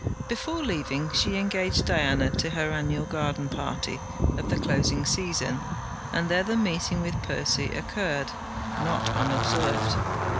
Before leaving, she engaged Diana to her annual garden party of the closing season, and there the meeting with Percy occurred, not unobserved.